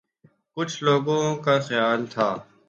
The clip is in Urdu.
کچھ لوگوں کا خیال تھا